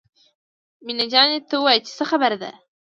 مينه جانې ته ووايه چې څه خبره ده.